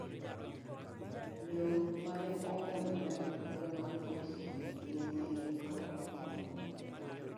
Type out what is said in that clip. Loo mane omuonyo remb joma oti gi nyithindo, koro ok konywa.